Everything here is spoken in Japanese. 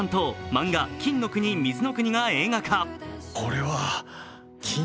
漫画「金の国水の国」が映画化。